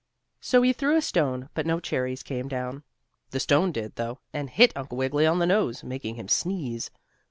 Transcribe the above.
So he threw a stone, but no cherries came down. The stone did, though, and hit Uncle Wiggily on the nose, making him sneeze.